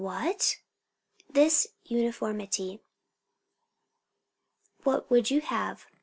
"What?" "This uniformity." "What would you have?"